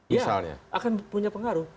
ya akan punya pengaruh